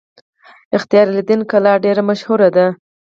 اختیار الدین کلا ډیره مشهوره ده